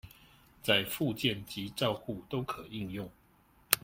在復健及照護都可應用